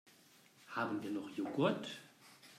Haben wir noch Joghurt?